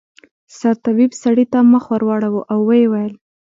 سرطبيب سړي ته مخ واړاوه ويې ويل.